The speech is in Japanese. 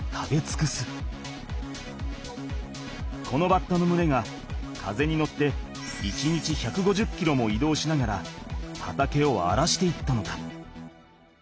このバッタのむれが風に乗って１日１５０キロも移動しながら畑をあらしていったのだ。